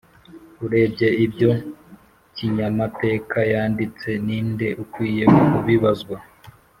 urebye ibyo kinyamatekayanditse, ninde ukwiye kubibazwa